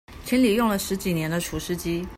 清理用了十幾年的除濕機